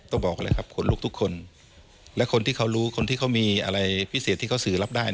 บอกเลยครับขนลุกทุกคนและคนที่เขารู้คนที่เขามีอะไรพิเศษที่เขาสื่อรับได้